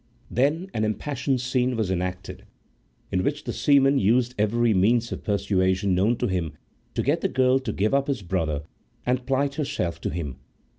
Then an impassioned scene was enacted, in which the seaman used every means of persuasion known to him to get the girl to give up his brother and plight herself to him.